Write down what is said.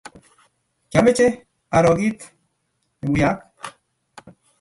kiomeche aro kiit nemukuyak